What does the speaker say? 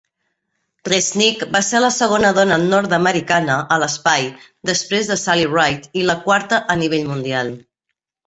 Resnik va ser la segona dona nord-americana a l'espai, després de Sally Ride, i la quarta a nivell mundial.